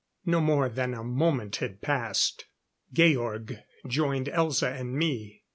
No more than a moment had passed. Georg joined Elza and me.